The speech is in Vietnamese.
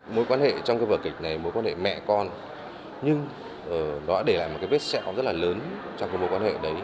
mối quan hệ trong vừa kịch này mối quan hệ mẹ con nhưng nó đã để lại một vết sẹo rất lớn trong mối quan hệ đấy